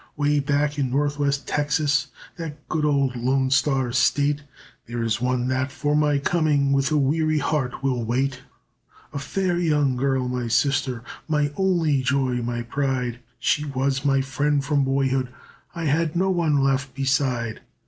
Way back in Northwest Texas, That good old Lone Star state, There is one that for my coming With a weary heart will wait. "A fair young girl, my sister, My only joy, my pride, She was my friend from boyhood, I had no one left beside.